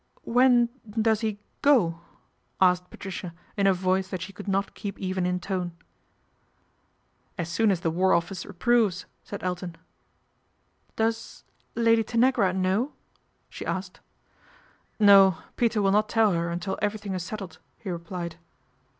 " When does he go ?" asked Patricia in a voice that she could not keep even in tone. " As soon as the War Office approves," said Elton. " Does Lady Tanagra know ?" she asked. " No, Peter will not tell her until everything is settled," he replied.